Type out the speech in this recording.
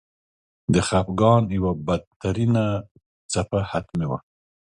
د خپګان یوه بدترینه څپه حتمي وه.